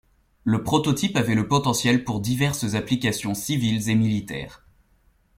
Le prototype avait le potentiel pour diverses applications civiles et militaires.